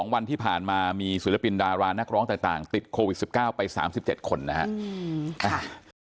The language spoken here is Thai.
วันที่ผ่านมามีศิลปินดารานักร้องต่างติดโควิด๑๙ไป๓๗คนนะครับ